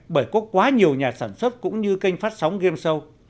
bởi có quá nhiều nhà sản xuất cũng như kênh phát sóng game show